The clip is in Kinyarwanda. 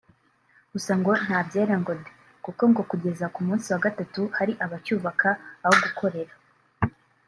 gusa ngo nta byera ngo de kuko ngo kugeza ku munsi wa gatatu hari abacyubaka aho gukorera